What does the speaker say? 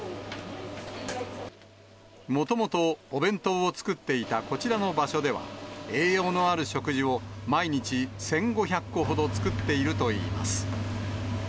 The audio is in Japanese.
もともとお弁当を作っていたこちらの場所では、栄養のある食事を毎日１５００個ほど作っているといいます。